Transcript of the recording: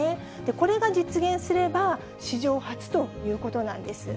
これが実現すれば、史上初ということなんです。